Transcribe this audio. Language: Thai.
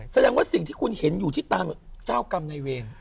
แสดงว่าสิ่งที่คุณเห็นอยู่ที่ตามเจ้ากรรมในเวร